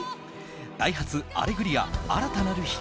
「ダイハツアレグリア‐新たなる光‐」